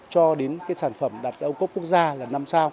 cho đến sản phẩm đạt từ ô cốp quốc gia